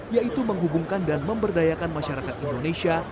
yaitu menghubungkan dan memberdayakan masyarakat indonesia